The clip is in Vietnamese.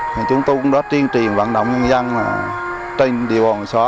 thì chúng tôi đã triên truyền vận động nhân dân trên điều hòa người xóa